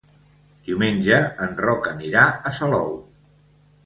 Diumenge en Roc anirà a Salou.